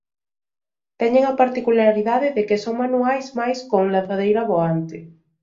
Teñen a particularidade de que son manuais mais con lanzadeira voante.